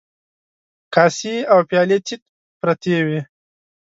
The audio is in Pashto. کاسې او پيالې تيت پرتې وې.